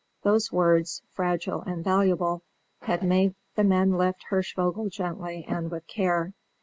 Those words, "fragile and valuable," had made the men lift Hirschvogel gently and with care.